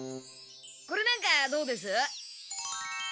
これなんかどうです？